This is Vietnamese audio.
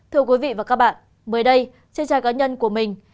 thưa quý vị và các bạn mới đây trên trang cá nhân của mình